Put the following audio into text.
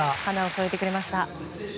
花を添えてくれました。